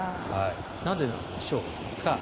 なぜなんでしょうか。